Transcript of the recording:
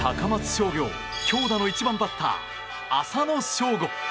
商業強打の１番バッター、浅野翔吾。